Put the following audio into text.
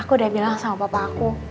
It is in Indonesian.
aku udah bilang sama papa aku